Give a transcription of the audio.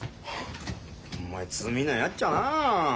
お前罪なやっちゃなあ。